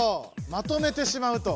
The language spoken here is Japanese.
まとめてしまうと。